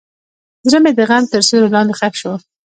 زړه مې د غم تر سیوري لاندې ښخ شو.